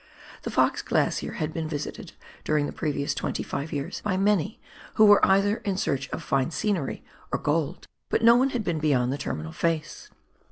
The Fox Glacier had been visited during the previous twenty five years by many who were either in search of fine scenery or gold, but no one had been beyond the terminal face.